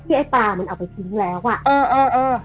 ที่ไอ้ปามันเอาไปทิ้งแล้วอะเออ